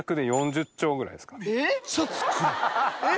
えっ！